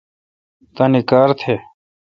تانی کار تہ۔